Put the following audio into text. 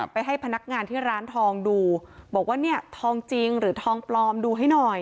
ให้พนักงานที่ร้านทองดูบอกว่าเนี่ยทองจริงหรือทองปลอมดูให้หน่อย